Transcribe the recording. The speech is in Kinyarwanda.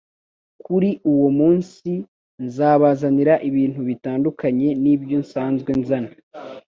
Kuri uwo munsi nzabazanira ibintu bitandukanye nibyo nsanzwe nzana